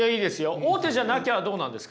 大手じゃなきゃどうなんですか？